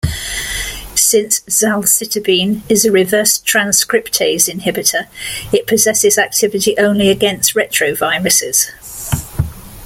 Since zalcitabine is a reverse transcriptase inhibitor it possesses activity only against retroviruses.